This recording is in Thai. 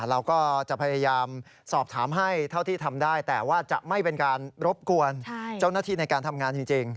เราก็จะพยายามสอบถามให้เท่าที่ทำได้แต่ว่าจะไม่เป็นการรบกวนเจ้าหน้าที่ในการทำงานจริง